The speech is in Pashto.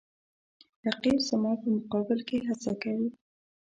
رقیب زما په مقابل کې هڅه کوي